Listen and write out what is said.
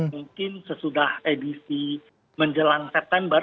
mungkin sesudah edisi menjelang september